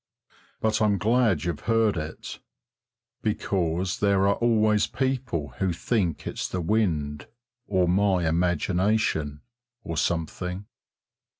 But I'm glad you've heard it, because there are always people who think it's the wind, or my imagination, or something.